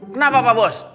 kenapa pak bos